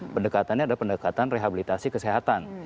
pendekatannya adalah pendekatan rehabilitasi kesehatan